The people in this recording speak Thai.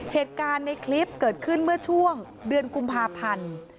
เหตุการณ์ในคลิปเกิดขึ้นเมื่อช่วงเดือนกุมภาพันธ์